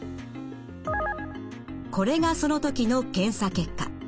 これがその時の検査結果。